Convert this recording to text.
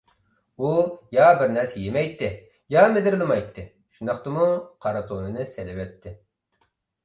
ئۇ يا بىر نەرسە يېمەيتتى، يا مىدىرلىمايتتى، شۇنداقتىمۇ قارا تونىنى سېلىۋەتتى.